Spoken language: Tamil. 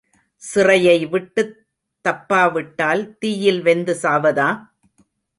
சிறையைவிட்டுத்தப்பாவிட்டால் தீயில் வெந்து சாவதா?